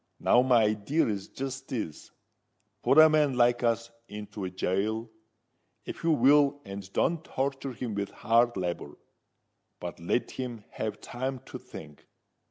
Now my idear is jist this:—Put a man like us into gaol, if you will and don't torture him with hard labour: but let him have time to think.